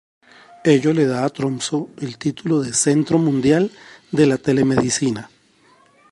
Ello le da a Tromsø el título de Centro Mundial de la Telemedicina.